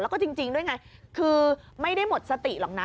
แล้วก็จริงด้วยไงคือไม่ได้หมดสติหรอกนะ